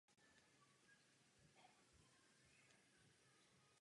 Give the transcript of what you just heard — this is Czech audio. Mláďata se živí podobně jako u ostatních krokodýlů různými malými vodními bezobratlými.